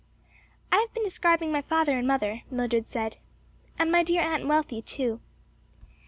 "I have been describing my father and mother," Mildred said. "And my dear Aunt Wealthy too."